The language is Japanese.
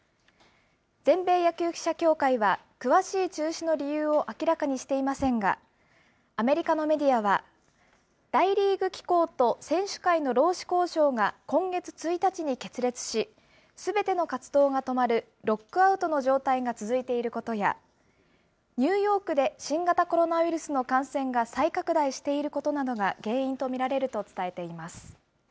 全米野球記者協会は、詳しい中止の理由を明らかにしていませんが、アメリカのメディアは、大リーグ機構と選手会の労使交渉が今月１日に決裂し、すべての活動が止まるロックアウトの状態が続いていることや、ニューヨークで新型コロナウイルスの感染が再拡大していることなどが原因と見られると伝えています。